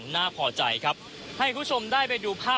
คุณทัศนาควดทองเลยค่ะ